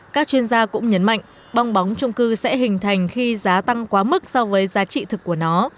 các chuyên gia cũng nhấn mạnh bong bóng trung cư sẽ hình thành khi giá tăng quá mức so với giá trị thực của nó